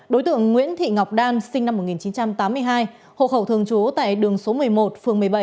đối tượng nguyễn thị ngọc đan sinh năm một nghìn chín trăm tám mươi hai hộ khẩu thường trú tại đường số một mươi một phường một mươi bảy